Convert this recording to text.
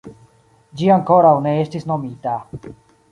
Ĝi ankoraŭ ne estis nomita.